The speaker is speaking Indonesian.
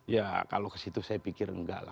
ya kalau ke situ saya pikir enggak lah